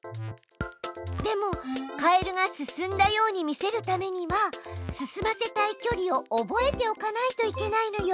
でもカエルが進んだように見せるためには進ませたい距離を覚えておかないといけないのよ。